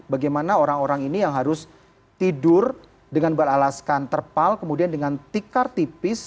bagaimana orang orang ini yang harus tidur dengan beralaskan terpal kemudian dengan tikar tipis